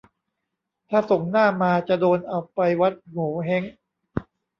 ถ้าส่งหน้ามาจะโดนเอาไปวัดโหงวเฮ้ง